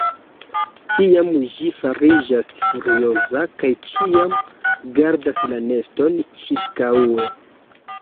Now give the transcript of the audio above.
Tiam ĝi fariĝas furioza kaj ĉiam gardas la neston ĉirkaŭe.